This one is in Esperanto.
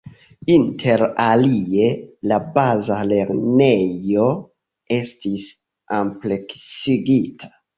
Inter alie, la baza lernejo estis ampleksigita.